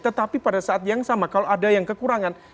tetapi pada saat yang sama kalau ada yang kekurangan